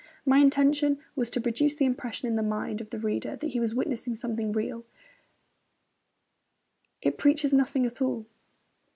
My intention was to produce the impression in the mind of the reader that he was witnessing something real.... It preaches nothing at all.'